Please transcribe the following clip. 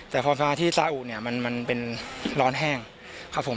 แต่พอฟ้าที่สาอุเนี่ยมันเป็นร้อนแห้งครับผม